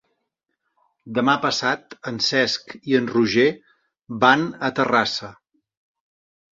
Demà passat en Cesc i en Roger van a Terrassa.